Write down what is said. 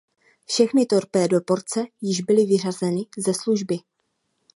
Všechny torpédoborce již byly vyřazeny ze služby.